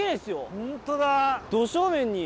ホントだ。